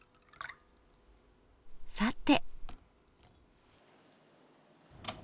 さて。